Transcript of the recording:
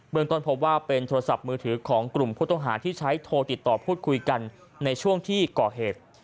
เมืองต้นพบว่าเป็นโทรศัพท์มือถือของกลุ่มผู้ต้องหาที่ใช้โทรติดต่อพูดคุยกันในช่วงที่ก่อเหตุ